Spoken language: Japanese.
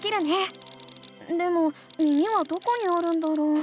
でも耳はどこにあるんだろう？